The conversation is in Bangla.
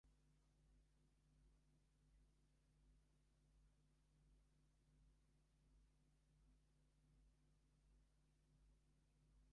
শেফিল্ড শিল্ডে বেশ ভাল ক্রীড়ানৈপুণ্য প্রদর্শন করায় তিনি ইংল্যান্ড ও নিউজিল্যান্ড সফরের জন্য মনোনীত হন।